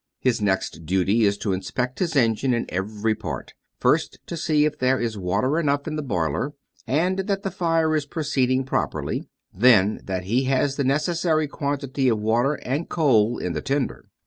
His next duty is to inspect his engine in every part: first, to see if there is water enough in the boiler, and that the fire is proceeding properly; then, that he has the necessary quantity of water and coal in the tender.